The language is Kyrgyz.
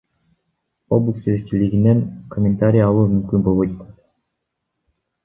Облус жетекчилигинен комментарий алуу мүмкүн болбой жатат.